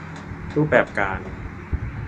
รูปแบบการ